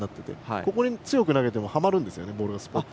ここに強く投げてもはまるんですよね。